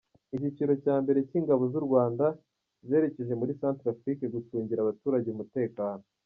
Icyiciro cya mbere cy’ingabo z’u Rwanda zerekeje muri Centrafrique, gucungira abaturage umutekano.